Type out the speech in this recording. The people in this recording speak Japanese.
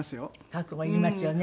覚悟いりますよね。